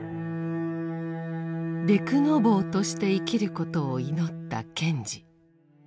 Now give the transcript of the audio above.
「デクノボー」として生きることを祈った賢治。